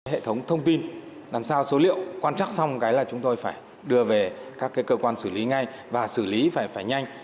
hệ thống thông tin làm sao số liệu quan chắc xong cái là chúng tôi phải đưa về các cơ quan xử lý ngay và xử lý phải nhanh